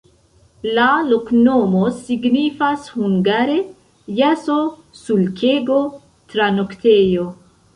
La loknomo signifas hungare jaso-sulkego-tranoktejo.